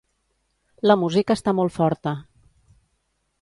La música està molt forta.